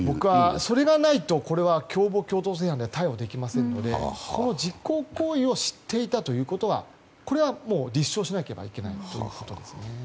それがないとこれは共謀共同正犯では逮捕できませんので実行行為を知っていたということこれは立証しなければいけないということですね。